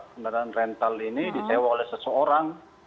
kendaraan rental ini disewa oleh seseorang